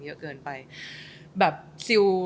เยอะเกินไปแบบซิล